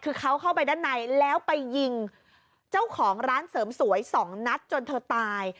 คือเขาเข้าไปด้านในแล้วไปยิงเจ้าของร้านเสริมสวยสองนัดจนเธอตาย